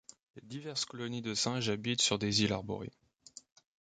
Les diverses colonies de singes habitent sur des îles arborées.